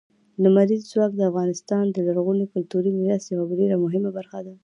لمریز ځواک د افغانستان د لرغوني کلتوري میراث یوه ډېره مهمه برخه ده.